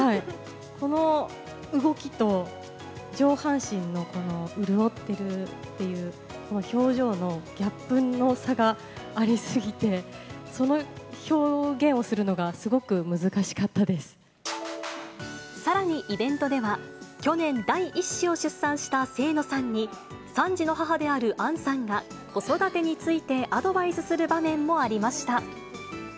この動きと上半身のこの潤ってるっていう表情のギャップの差がありすぎて、その表現をするのさらにイベントでは、去年第１子を出産した清野さんに、３児の母である杏さんが、子育てについてアドバイスする場面もありました。